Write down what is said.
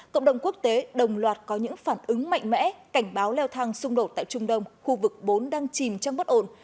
cộng đồng quốc tế đồng loạt có những phản ứng mạnh mẽ cảnh báo leo thang xung đột tại trung đông khu vực bốn đang chìm trong bất ổn